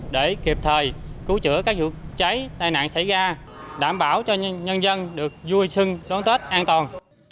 để kịp thời cứu chữa các vụ cháy tai nạn xảy ra đảm bảo cho nhân dân được vui sưng đón tết an toàn